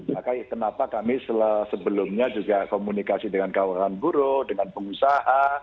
maka kenapa kami sebelumnya juga komunikasi dengan kawasan guru dengan pengusaha